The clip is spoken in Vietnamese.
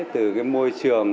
từ môi trường